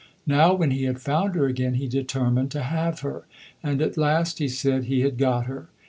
Now, when he had found her again, he determined to have her. And at last, he said, he had got her.